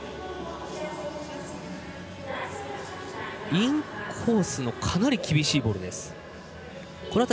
インコースかなり厳しいボールでした。